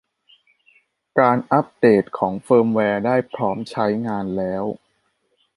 การอัพเดตของเฟิร์มแวร์ได้พร้อมใช้งานแล้ว